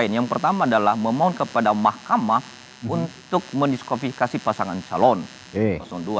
dan yang kedua adalah memaun kepada mahkamah untuk menolong meminta dan meminta meminta masyarakat yang bisa melekiteri dalam melaksanakan pertanggung jawaban sungguh nilai